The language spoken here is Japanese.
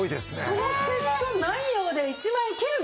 そのセット内容で１万円切るの！？